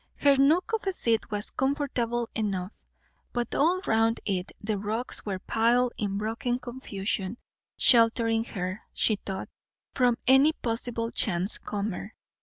Her nook of a seat was comfortable enough, but all around it the rocks were piled in broken confusion, sheltering her, she thought, from any possible chance comer.